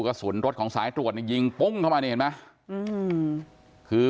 กระสุนรถของสายตรวจนี่ยิงปุ้งเข้ามานี่เห็นไหมคือ